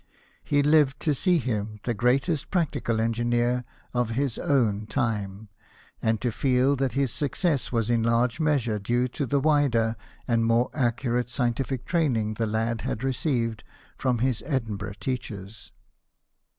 He lived to see him the greatest practical engineer of his own time, and to feel that his success was in large measure due to the wider and more accurate scientific training the lad had received from his Edinburgh teachers.